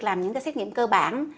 làm những cái xét nghiệm cơ bản